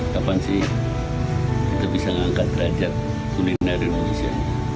kapan sih kita bisa mengangkat derajat kuliner indonesia